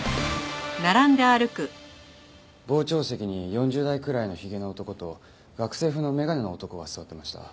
傍聴席に４０代くらいのひげの男と学生風の眼鏡の男が座っていました。